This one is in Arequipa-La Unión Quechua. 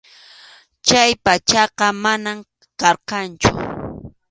Chay pachaqa manam karqanchu.